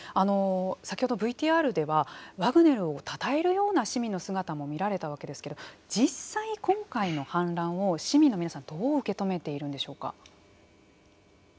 先ほどＶＴＲではワグネルをたたえるような市民の姿も見られたわけですけれども実際、今回の反乱を市民の皆さんはどう受け止めているんでしょうか。